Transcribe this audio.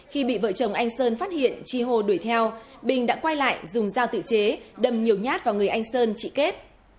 khi bị vợ chồng anh sơn phát hiện chi hô đuổi theo bình đã quay lại dùng dao tự chế đâm nhiều nhát vào người anh sơn chị kết